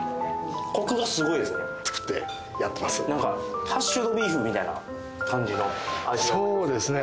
コクがすごいですね作ってやってますなんかハッシュドビーフみたいな感じのそうですね